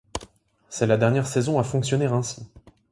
C'est la dernière saison à fonctionner ainsi.